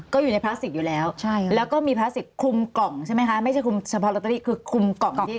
ก็อยู่ในพลาสติกอยู่แล้วใช่แล้วก็มีพลาสติกคลุมกล่องใช่ไหมคะไม่ใช่คุมเฉพาะลอตเตอรี่คือคุมกล่องที่